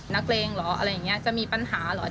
นักเล็งหรืออะไรอย่างนี้จะมีปัญหาหรือ